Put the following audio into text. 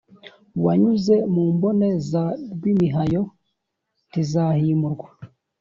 wanyuze mu mbone za rwimihayo ntizahimurwa.